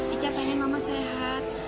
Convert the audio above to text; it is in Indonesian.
ica pengen mama sehat